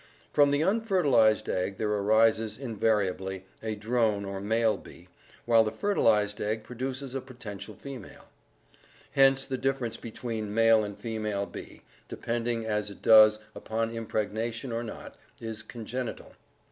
From the unfertilized egg there arises, invariably, a drone or male bee, while the fertilized egg produces a potential female. Hence the difference between male and female bee, depending as it does upon impregnation or not, is congenital.